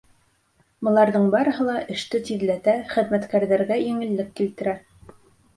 Быларҙың барыһы ла эште тиҙләтә, хеҙмәткәрҙәргә еңеллек килтерә.